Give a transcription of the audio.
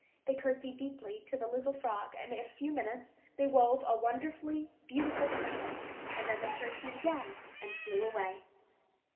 They curtsied deeply to the little frog, and in a few minutes they wove a wonderfully beautiful carpet; then they curtsied again, and flew away.